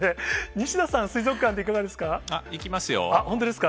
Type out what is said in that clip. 西田さん、水族館はいかがですか？